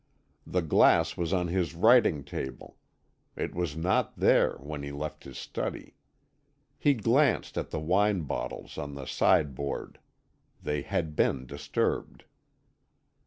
The glass was on his writing table; it was not there when he left his study. He glanced at the wine bottles on the sideboard; they had been disturbed.